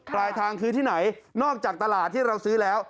ปลายทางคือที่ไหนนอกจากตลาดที่เราซื้อแล้ว